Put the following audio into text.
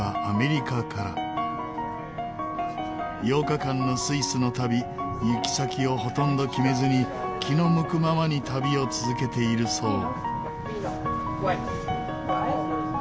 ８日間のスイスの旅行き先をほとんど決めずに気の向くままに旅を続けているそう。